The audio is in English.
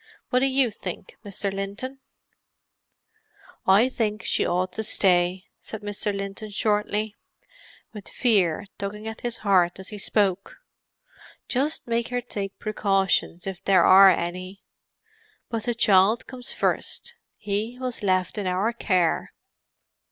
"What do you think, Mr. Linton?" "I think she ought to stay," said David Linton shortly—with fear tugging at his heart as he spoke. "Just make her take precautions, if there are any; but the child comes first—he was left in our care."